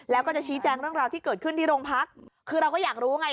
แล้วก็จะชี้แจงเรื่องราวที่เกิดขึ้นที่โรงพักคือเราก็อยากรู้ไง